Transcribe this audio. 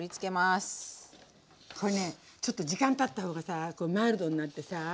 これねちょっと時間たった方がさあマイルドになってさあ。